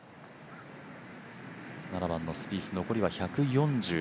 ７番のスピース、残り１４０。